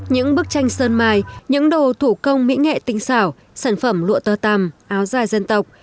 những bức tranh sơn mài những đồ thủ công mỹ nghệ tinh xảo sản phẩm lụa tơ tằm áo dài dân tộc